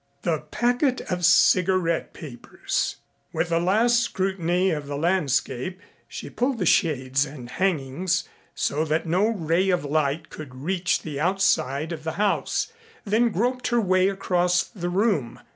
The packet of cigarette papers! With a last scrutiny of the landscape she pulled the shades and hangings so that no ray of light could reach the outside of the house, then groped her way across the room.